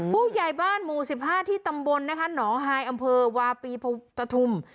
ผู้ใหญ่บ้านหมู่๑๕ที่ตำบลนะคะหนองฮายอำเภอวาปีปฐุม